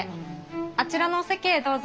あちらのお席へどうぞ。